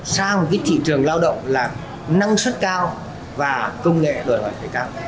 sang thị trường lao động là năng suất cao và công nghệ đòi hỏi thầy cao